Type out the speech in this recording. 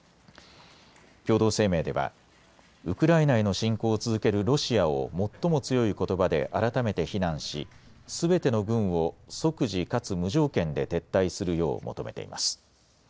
共同声明ではウクライナへの侵攻を続けるロシアを最も強いことばで改めて非難しすべての軍を即時かつ無条件で撤退するよう求めています。